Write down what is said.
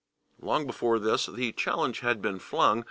Long before this the challenge had been flung.